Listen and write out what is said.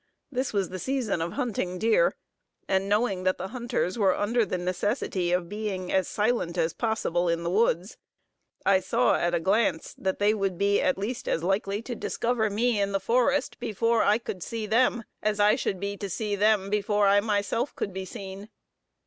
This was the season of hunting deer, and knowing that the hunters were under the necessity of being as silent as possible in the woods, I saw at a glance that they would be at least as likely to discover me in the forest, before I could see them, as I should be to see them, before I myself could be seen.